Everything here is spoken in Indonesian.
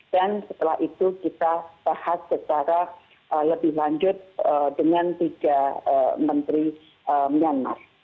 dan setelah itu kita bahas secara lebih lanjut dengan tiga menteri myanmar